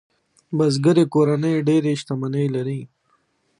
بزګري کورنۍ ډېرې شتمنۍ لرلې.